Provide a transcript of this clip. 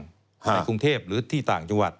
ในกรุงเทพหรือที่ต่างจังหวัด